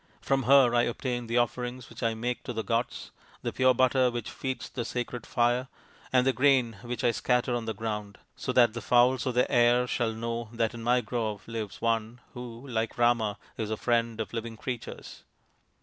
From her I obtain the offerings which I make to the gods, the pure butter which feeds the sacred fire, and the grain which I scatter on the ground, so that the fowls of the air shall know that in my grove lives one who, like Rama, is the Friend of Living Creatures.